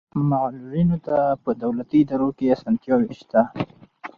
معلولینو ته په دولتي ادارو کې اسانتیاوې شته.